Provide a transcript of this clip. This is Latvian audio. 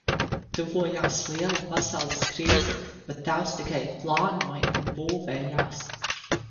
"Tuvojās liela Pasaules krīze, bet tēvs tikai "plānoja" un "būvējās"."